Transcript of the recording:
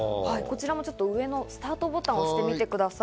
上のスタートボタンを押してみてください。